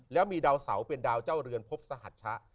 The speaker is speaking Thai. แล้วมีดาวเสาเป็นดาวเจ้าเรือนพบสหัชชะ